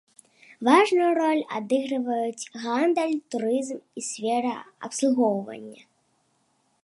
Важную ролю адыгрываюць гандаль, турызм і сфера абслугоўвання.